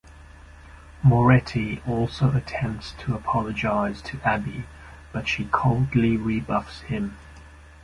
Moretti also attempts to apologize to Abby, but she coldly rebuffs him.